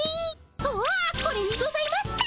うわこれにございますか！